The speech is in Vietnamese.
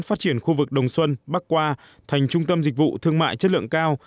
phát triển khu vực đồng xuân bắc qua thành trung tâm dịch vụ thương mại chất lượng cao